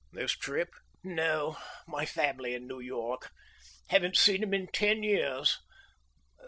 "This trip?" "No; my family in New York. Haven't seen 'em in ten years.